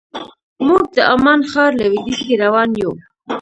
موږ د عمان ښار لویدیځ کې روان یو.